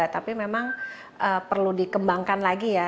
tapi memang perlu dikembangkan lagi ya